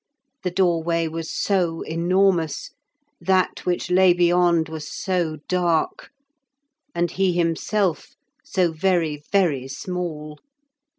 The doorway was so enormous, that which lay beyond was so dark, and he himself so very very small.